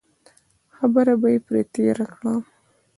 خبره به یې پرې تېره کړه.